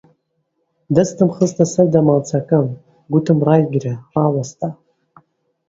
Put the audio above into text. دەستم خستە سەر دەمانچەکەم، گوتم ڕایگرە! ڕاوەستا